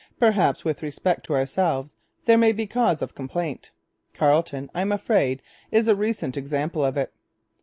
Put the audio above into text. Perhaps with respect to ourselves there may be cause of complaint. Carleton, I'm afraid, is a recent example of it.'